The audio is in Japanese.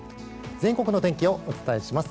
全国の天気をお伝えします。